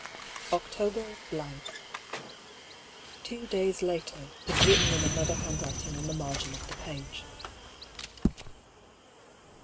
October —.[" Two days later " is written in another handwriting on the mar gin of the page.